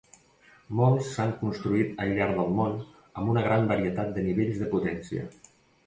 Molts s'han construït al llarg del món, amb una gran varietat de nivells de potència.